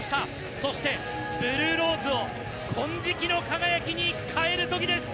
そして、ブルーローズを金色の輝きに変えるときです。